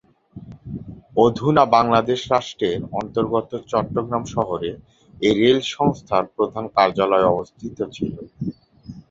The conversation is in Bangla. অধুনা বাংলাদেশ রাষ্ট্রের অন্তর্গত চট্টগ্রাম শহরে এই রেল সংস্থার প্রধান কার্যালয় অবস্থিত ছিল।